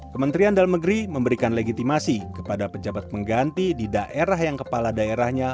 kementerian dalam negeri memberikan legitimasi kepada pejabat pengganti di daerah yang kepala daerahnya